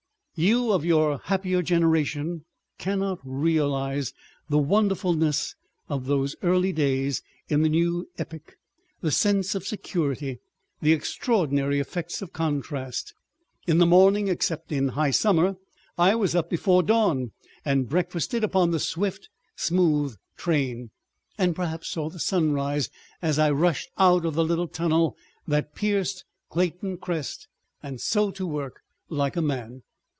You of your happier generation cannot realize the wonderfulness of those early days in the new epoch, the sense of security, the extraordinary effects of contrast. In the morning, except in high summer, I was up before dawn, and breakfasted upon the swift, smooth train, and perhaps saw the sunrise as I rushed out of the little tunnel that pierced Clayton Crest, and so to work like a man.